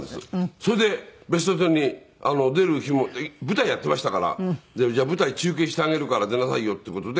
それで『ベストテン』に出る日も舞台やっていましたからじゃあ舞台中継してあげるから出なさいよっていう事で。